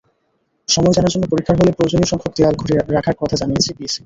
সময় জানার জন্য পরীক্ষার হলে প্রয়োজনীয়সংখ্যক দেয়াল ঘড়ি রাখার কথা জানিয়েছে পিএসসি।